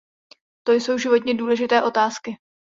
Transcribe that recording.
To jsou životně důležité otázky.